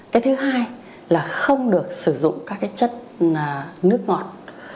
cái thứ hai là không được sử dụng các cái chất nước ngọt